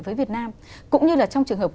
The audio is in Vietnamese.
với việt nam cũng như là trong trường hợp